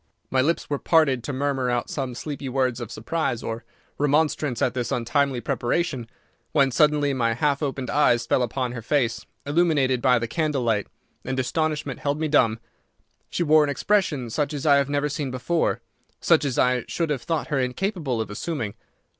My lips were parted to murmur out some sleepy words of surprise or remonstrance at this untimely preparation, when suddenly my half opened eyes fell upon her face, illuminated by the candle light, and astonishment held me dumb. She wore an expression such as I had never seen before—such as I should have thought her incapable of assuming.